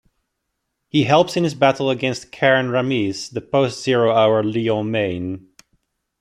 He helps in his battle against Karen Ramis, the Post-Zero Hour Lion-Mane.